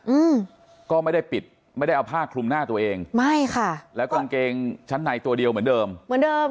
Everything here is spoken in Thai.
อืมก็ไม่ได้ปิดไม่ได้เอาผ้าคลุมหน้าตัวเองไม่ค่ะแล้วกางเกงชั้นในตัวเดียวเหมือนเดิมเหมือนเดิม